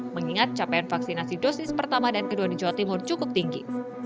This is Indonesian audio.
mengingat capaian vaksinasi dosis pertama dan kedua di jawa timur cukup tinggi